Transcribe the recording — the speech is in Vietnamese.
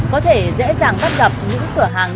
có thể dễ dàng bắt gặp những cửa hàng